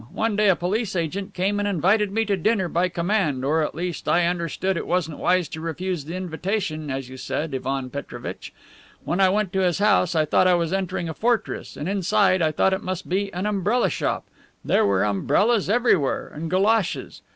One day a police agent came and invited me to dinner by command or, at least, I understood it wasn't wise to refuse the invitation, as you said, Ivan Petrovitch. When I went to his house I thought I was entering a fortress, and inside I thought it must be an umbrella shop. There were umbrellas everywhere, and goloshes.